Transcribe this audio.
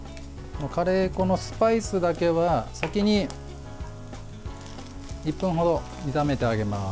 カレー粉のスパイスだけは先に１分ほど炒めてあげます。